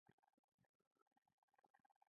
چې خط خو زما د درنې ابۍ په ژبه هم ليکل کېدای شي.